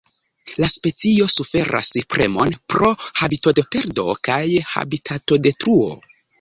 La specio suferas premon pro habitatoperdo kaj habitatodetruo.